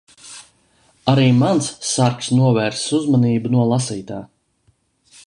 Arī mans sargs novērsis uzmanību no lasītā.